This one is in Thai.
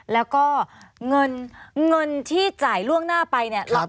แล้วก็เงินเงินที่จ่ายล่วงหน้าไปเนี่ย